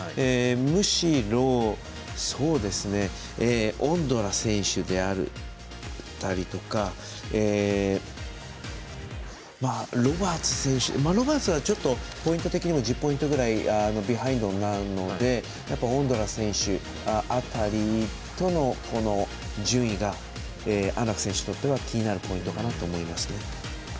むしろオンドラ選手であったりとかロバーツ選手は、ちょっと１０ポイントぐらいビハインドなのでオンドラ選手辺りとの順位が安楽選手にとっては気になるポイントかなと思います。